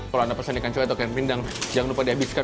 kalau anda pesan ikan cuek atau ikan pindang jangan lupa dihabiskan